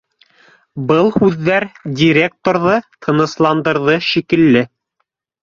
Был һүҙҙәр директорҙы тынысландырҙы шикелле.